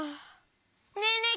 ねえねえ